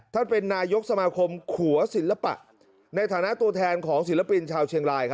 ท่านเป็นนายกสมาคมขัวศิลปะในฐานะตัวแทนของศิลปินชาวเชียงราย